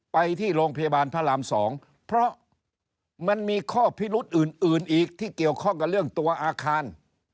ไปที่โรงพยาบาลพระราม๒เพราะมันมีข้อพิรุธอื่นอีกที่เกี่ยวข้องกับเรื่องตัวอาคาร